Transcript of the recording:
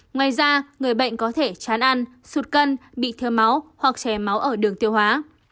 ngoài ra người bệnh có thể chán ăn sụt cân bị thơm máu hoặc chè máu ở đường tiêu hóa